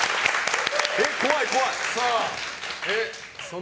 怖い、怖い。